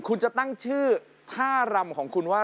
คุณจะตั้งชื่อท่ารำของคุณว่า